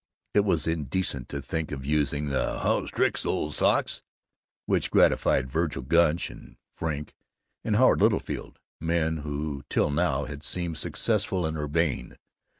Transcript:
It was indecent to think of using the "How's tricks, ole socks?" which gratified Vergil Gunch and Frink and Howard Littlefield men who till now had seemed successful and urbane.